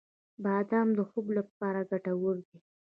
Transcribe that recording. • بادام د خوب لپاره ګټور دی.